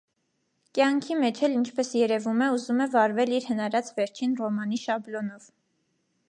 Կյանքի մեջ էլ, ինչպես երևում է, ուզում է վարվել իր հնարած վերջին ռոմանի շաբլոնով.